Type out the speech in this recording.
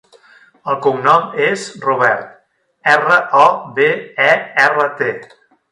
El cognom és Robert: erra, o, be, e, erra, te.